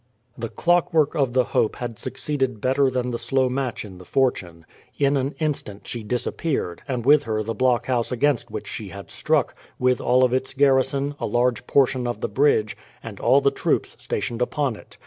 The clockwork of the Hope had succeeded better than the slow match in the Fortune. In an instant she disappeared, and with her the blockhouse against which she had struck, with all of its garrison, a large portion of the bridge, and all the troops stationed upon it.